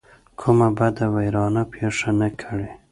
کومه بده ویرانه پېښه نه کړي.